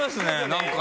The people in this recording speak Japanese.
何か。